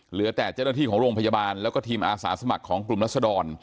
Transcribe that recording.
เหลือแต่เจ้าหน้าที่ของโรงพยาบาลแล้วก็ทีมอาสาสมัครของกลุ่มรัศดร